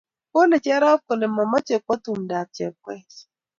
Kole Cherop kole mamoche kwo tumdap Chepkoech